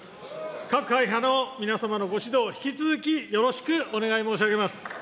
各会派の皆さんのご指導、引き続きよろしくお願い申し上げます。